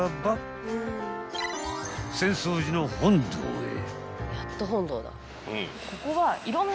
［浅草寺の本堂へ］